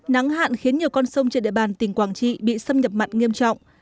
nắng hạn khiến nhiều con sông trên địa bàn tỉnh quảng trị bị xâm nhập mặn nghiêm trọng